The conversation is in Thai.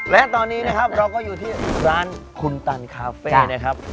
และตอนนี้นะครับเราก็อยู่ที่ร้านคุณตันคาเฟ่นะครับ